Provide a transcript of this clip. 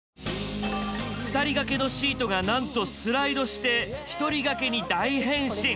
２人掛けのシートがなんとスライドして１人掛けに大変身。